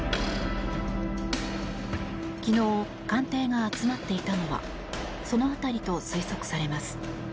昨日、艦艇が集まっていたのはその辺りと推測されます。